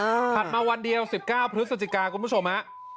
เออถัดมาวันเดียวสิบเก้าพฤษจิกาคุณผู้ชมฮะ